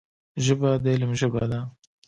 ژبه د علم ژبه ده